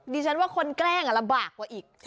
ดิฉันว่าคนแกล้งลำบากกว่าอีก